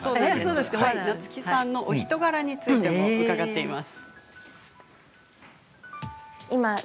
夏木さんのお人柄についても伺っています。